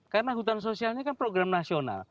karena hutan sosialnya kan program nasional